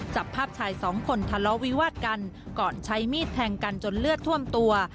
จับภาพชายสองคนทะเลาะวิวาดกันก่อนใช้มีดแทงกันจนเลือดท่วมตัว